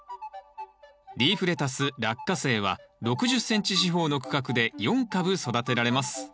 リーフレタスラッカセイは６０ｃｍ四方の区画で４株育てられます